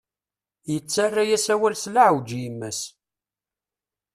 Yettarra-yas awal s leɛweǧ i yemma-s.